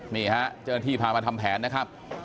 นี่ฮะเจ้าหน้าที่พามาทำแผนนะครับ